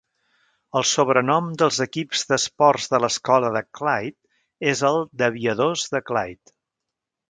El sobrenom dels equips d'esports de l'escola de Clyde és el d'Aviadors de Clyde.